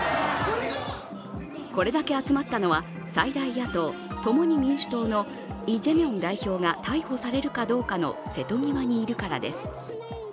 これだけ集まったのは最大野党・共に民主党のイ・ジェミョン代表が逮捕されるかどうかの瀬戸際にいるからです。